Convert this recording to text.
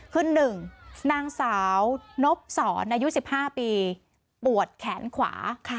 คือ๑นางสาวนบสอนอายุ๑๕ปีปวดแขนขวา